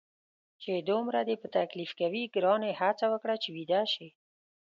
چې دومره دې په تکلیف کوي، ګرانې هڅه وکړه چې ویده شې.